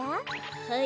はい？